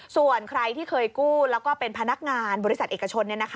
ส่วนใครที่เคยกู้แล้วก็เป็นพนักงานบริษัทเอกชน